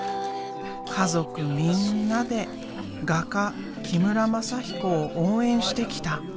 家族みんなで画家木村全彦を応援してきた。